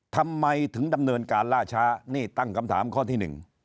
ทำไมถึงดำเนินการล่าช้านี่ตั้งคำถามข้อที่หนึ่ง